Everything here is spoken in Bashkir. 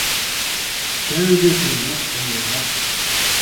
Тәүге ҡоймаҡ ҡомлораҡ.